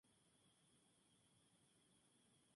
Este es uno de los lagos más grandes de Puerto Rico.